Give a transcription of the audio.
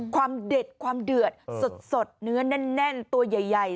ความเด็ดความเดือดสดเนื้อแน่นตัวใหญ่